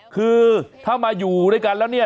คือถ้ามาอยู่ด้วยกันแล้วเนี่ย